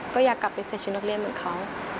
ก็อยากกลับไปใส่ชุดนักเรียนเหมือนเขา